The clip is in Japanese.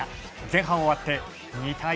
前半終わって２対１。